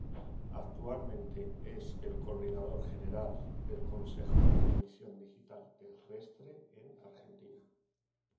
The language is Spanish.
Actualmente es el Coordinador General del Consejo de Televisión Digital Terrestre en Argentina.